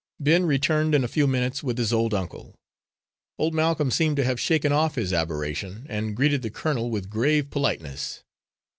Ben returned in a few minutes with his uncle. Old Malcolm seemed to have shaken off his aberration, and greeted the colonel with grave politeness.